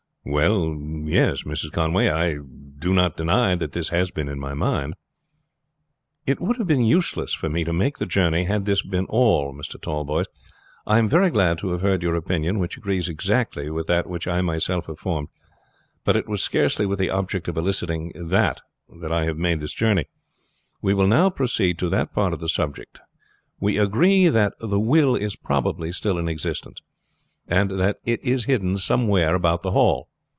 "Well, yes, Mrs. Conway, I do not deny that this was in my mind." "It would have been useless for me to make the journey had this been all, Mr. Tallboys. I am very glad to have heard your opinion, which agrees exactly with that which I myself have formed, but it was scarcely with the object of eliciting it that I have made this journey. We will now proceed to that part of the subject. We agree that the will is probably still in existence, and that it is hidden somewhere about the Hall.